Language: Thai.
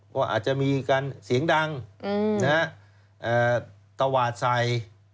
ก็อาจจะมีการเสียงดังตวาดใส่